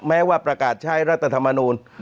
แม้ว่าประกาศใช้รัฐธรรมนูล